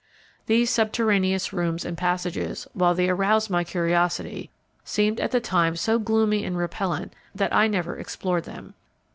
These subterraneous rooms and passages, while they aroused my curiosity, seemed at the same time so gloomy and repellent that I never explored them.